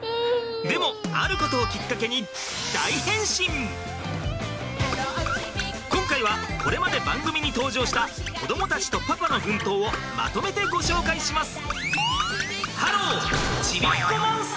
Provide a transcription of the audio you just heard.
でもあることをきっかけに今回はこれまで番組に登場した子どもたちとパパの奮闘をまとめてご紹介します。